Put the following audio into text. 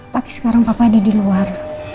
tapi sekarang papa ada di luar